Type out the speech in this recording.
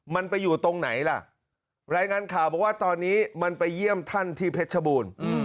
มันไปอยู่ตรงไหนล่ะรายงานข่าวบอกว่าตอนนี้มันไปเยี่ยมท่านที่เพชรบูรณ์